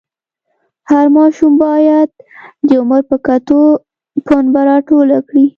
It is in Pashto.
هر ماشوم باید د عمر په کتو پنبه راټوله کړي.